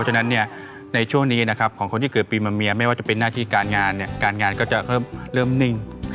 ฉะนั้นในช่วงนี้นะครับของคนที่เกิดปีมะเมียไม่ว่าจะเป็นหน้าที่การงานการงานก็จะเริ่มนิ่ง